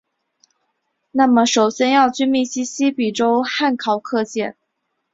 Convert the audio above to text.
那么首先要去密西西比州汉考克县！